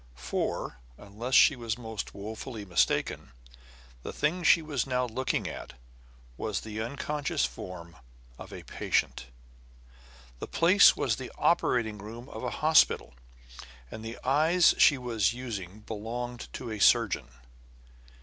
For, unless she was most woefully mistaken, the thing she was now looking at was the unconscious form of a patient; the place was the operating room of a hospital; and the eyes she was using belonged to a surgeon.